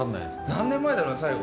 何年前だろうね、最後。